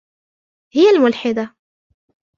هي الملحدة.